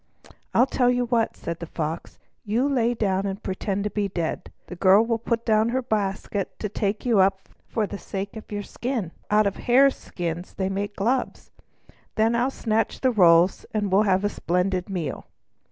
"I tell you what," said the Fox. "You lie down and pretend to be dead. The girl will put down her basket to take you up for the sake of your skin, for out of hare skins they make gloves; then I'll snatch the rolls, and we shall have a splendid meal!"